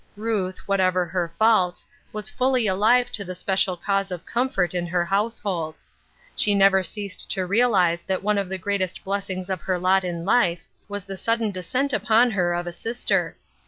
Ruth, whatever her faults, was fully alive to the special cause of comfort in her household. She never ceased to realize that one of the greatest blessings of her lot in life was the sud il2 Ruth Erskine's Crosses. den descent upon her of a sister.